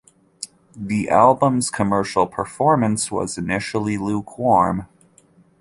The album's commercial performance was initially lukewarm.